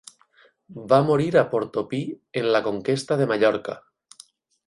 Va morir a Portopí en la conquesta de Mallorca.